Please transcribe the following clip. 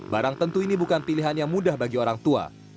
barang tentu ini bukan pilihan yang mudah bagi orang tua